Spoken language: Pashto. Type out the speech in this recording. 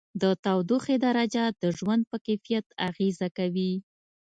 د تودوخې درجه د ژوند په کیفیت اغېزه کوي.